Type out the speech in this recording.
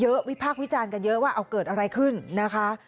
วิพากษ์วิจารณ์กันเยอะว่าเอาเกิดอะไรขึ้นนะคะ